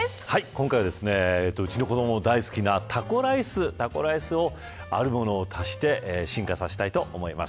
今回は、うちの子どもも大好きなタコライスにあるものを足して進化させたいと思います。